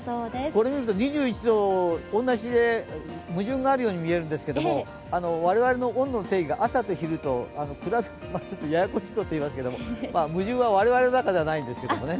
これを見ると２１度、同じで矛盾があるように見えるんですが、我々の温度の定義が朝と昼と、ちょっとややこしいこと言いますけど、矛盾は我々の中にはないんですけどね。